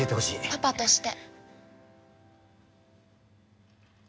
パパとして。